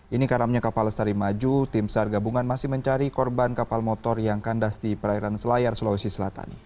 ini karamnya kapal lestari maju tim sar gabungan masih mencari korban kapal motor yang kandas di perairan selayar sulawesi selatan